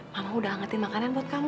mama udah ingetin makanan buat kamu